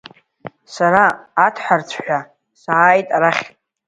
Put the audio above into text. Сара аҭҳарцәҳәа сааит арахь.